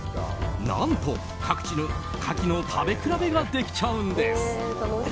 何と、各地のカキの食べ比べができちゃうんです。